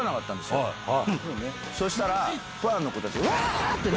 そしたら。